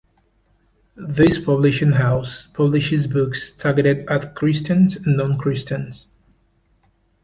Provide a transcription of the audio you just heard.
This publishing house publishes books targeted at Christians and non-Christians.